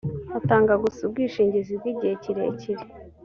atanga gusa ubwishingizi bw’igihe kirerekire